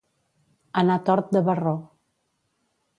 Anar tort de barró.